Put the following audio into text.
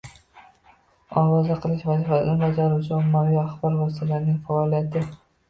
ovoza qilish vazifasini bajaruvchi Ommaviy axborot vositalarining faoliyati